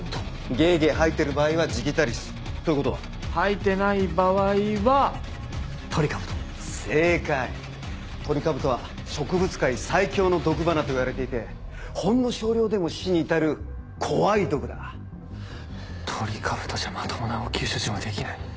げげ吐いてる場合はジギタリス吐いてない場合はトリカブト正解トリカブトは植物界最強の毒花といわれていてほんの少量でも死に至る怖い毒だトリカブトじゃまともな応急処置もできない